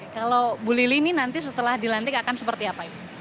kalau bu lili ini nanti setelah dilantik akan seperti apa ibu